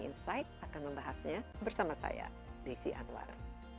insight akan membahasnya bersama saya desi anwar